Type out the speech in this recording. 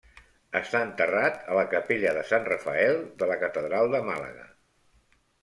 Està enterrat a la capella de sant Rafael de la catedral de Màlaga.